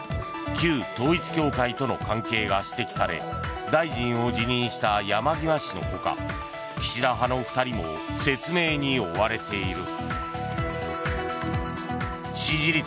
旧統一教会との関係が指摘され大臣を辞任した山際氏の他岸田派の２人も説明に追われている。